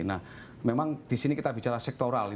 nah memang di sini kita bicara sektoral